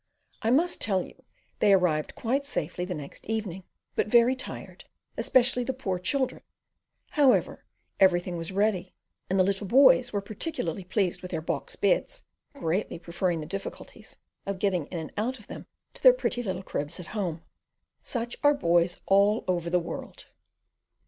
I must tell you, they arrived quite safely the next evening, but very tired, especially the poor children; however, everything was ready, and the little boys were particularly pleased with their box beds, greatly preferring the difficulties of getting in and out of them to their own pretty little cribs at home. Such are boys all over the world!